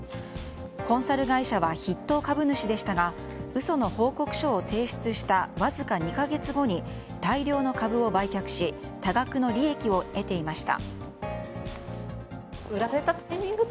コンサル会社は筆頭株主でしたが嘘の報告書を提出したわずか２か月後に大量の株を売却し多額の利益を得ていました。